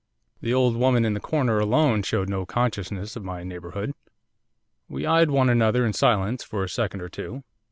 The old woman in the corner alone showed no consciousness of my neighbourhood. We eyed one another in silence for a second or two.